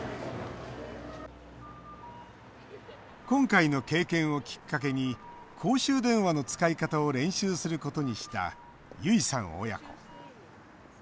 今回の経験をきっかけに公衆電話の使い方を練習することにした結衣さん親子。